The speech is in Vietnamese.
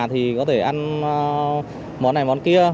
thì có thể ăn món này món kia